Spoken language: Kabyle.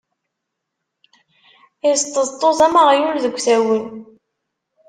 Isṭeẓṭuẓ am uɣyul deg usawen.